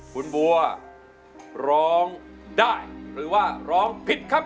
คุณบัวร้องได้หรือว่าร้องผิดครับ